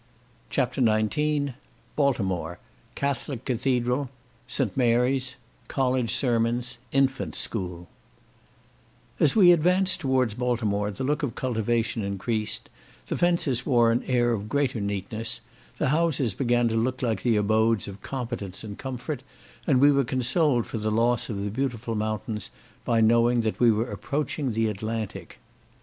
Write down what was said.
CHAPTER XIX Baltimore—Catholic Cathedral—St. Mary's—College Sermons—Infant School As we advanced towards Baltimore the look of cultivation increased, the fences wore an air of greater neatness, the houses began to look like the abodes of competence and comfort, and we were consoled for the loss of the beautiful mountains by knowing that we were approaching the Atlantic.